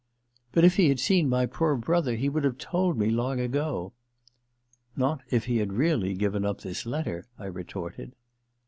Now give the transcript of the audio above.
* But if he had seen my poor brother he would have told me long ago.' * Not if he had really given up this letter,' I retorted.